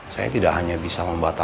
gat di dalam nama